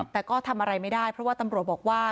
แต่ก็ทำอะไรไม่ได้เพราะว่าตำรวจบอกว่า